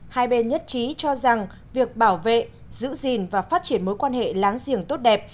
hai bên nhất trí cho rằng việc bảo vệ giữ gìn và phát triển mối quan hệ láng giềng tốt đẹp